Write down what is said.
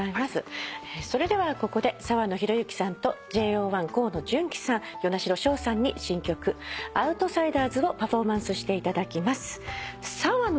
それではここで澤野弘之さんとＪＯ１河野純喜さん與那城奨さんに新曲『ＯＵＴＳＩＤＥＲＳ』をパフォーマンスしていただきます。